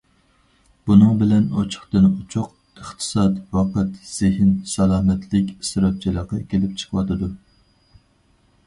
بۇنىڭ بىلەن ئوچۇقتىن- ئوچۇق ئىقتىساد، ۋاقىت، زېھىن، سالامەتلىك ئىسراپچىلىقى كېلىپ چىقىۋاتىدۇ.